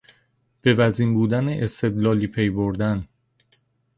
به وزین بودن استدلالی پیبردن